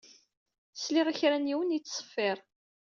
Sliɣ i kra n yiwen yettṣeffiṛ